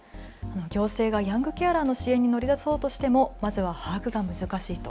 行政がヤングケアラーの支援に乗り出そうとしてもまずは把握が難しいと。